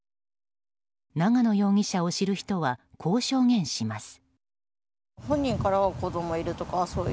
長野容疑者を知る人はこう証言します。